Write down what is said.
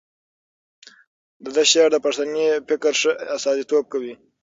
د ده شعر د پښتني فکر ښه استازیتوب کوي.